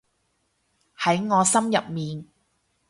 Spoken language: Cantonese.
喺我心入面